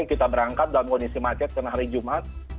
kita berangkat dalam kondisi macet karena hari jumat